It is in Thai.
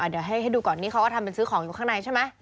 เดี๋ยวให้ดูก่อนนี่เขาก็ทำเป็นซื้อของอยู่ข้างในใช่ไหม